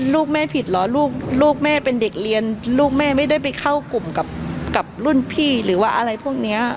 ลูกแม่ผิดเหรอลูกแม่เป็นเด็กเรียนลูกแม่ไม่ได้ไปเข้ากลุ่มกับรุ่นพี่หรือว่าอะไรพวกนี้